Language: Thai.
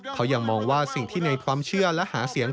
เขายังมองว่าสิ่งที่ในความเชื่อและหาเสียง